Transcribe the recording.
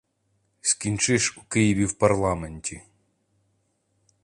Скінчиш у Києві в парламенті.